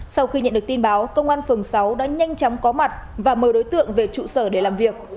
sau khi nhận được tin báo công an phường sáu đã nhanh chóng có mặt và mời đối tượng về trụ sở để làm việc